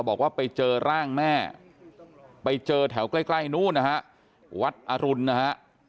บอกว่าไปเจอร่างแม่ไปเจอแถวใกล้ใกล้นู้นนะฮะวัดอรุณนะฮะ